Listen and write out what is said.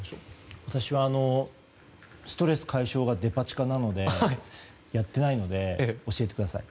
ストレス解消がデパ地下なので、やってないので教えてください。